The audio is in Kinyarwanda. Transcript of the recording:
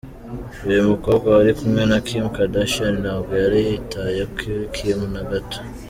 Uyu mukobwa wari kumwe na Kim Kardashian ntabwo yari yitaye kuri Kim na gato.